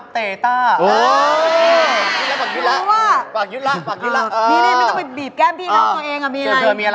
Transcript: ไม่ต้องไปบีบแก้มปีน่าตัวเองอ่ะ